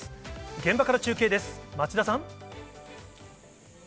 現場から中継です、町田さん。